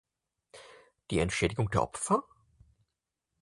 Die Entschädigung der Opfer?